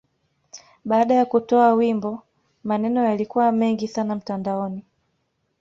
Baada ya kutoa wimbo, maneno yalikuwa mengi sana mtandaoni.